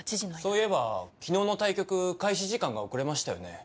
そういえば昨日の対局開始時間が遅れましたよね。